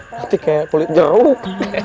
nanti kayak kulit jeruk